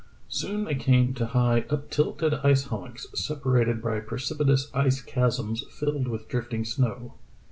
Soon they came to high, uptilted ice hummocks, separated by precipitous ice chasms filled with drifting snow.